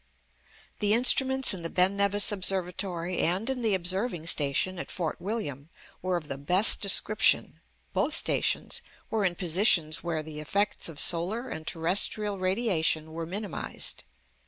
The instruments in the Ben Nevis Observatory, and in the Observing Station at Fort William, were of the best description. Both stations were in positions where the effects of solar and terrestrial radiation were minimised.